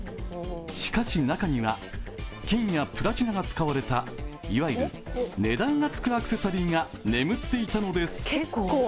しかし、中には金やプラチナが使われたいわゆる値段がつくアクセサリーが眠っていたのです。